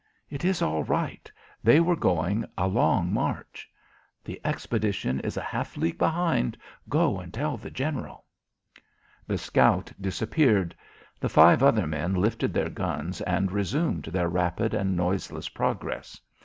"It is all right. They were going a long march." "The expedition is a half league behind. Go and tell the general." The scout disappeared. The five other men lifted their guns and resumed their rapid and noiseless progress.